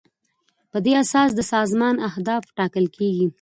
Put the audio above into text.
په دې اساس د سازمان اهداف ټاکل کیږي.